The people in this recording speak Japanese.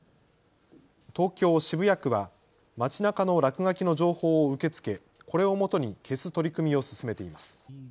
東京渋谷区は街なかの落書きの情報を受け付け、これをもとに消す取り組みを進めています。